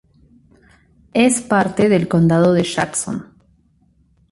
Es parte del condado de Jackson.